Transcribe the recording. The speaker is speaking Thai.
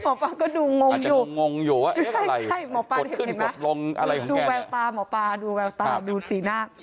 หมอปลาก็ดูงงอยู่ใช่หมอปลาเห็นไหมดูแววตาหมอปลาดูแววตาดูสีหน้า